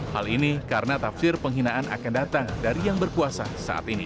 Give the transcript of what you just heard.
hal ini karena tafsir penghinaan akan datang dari yang berkuasa saat ini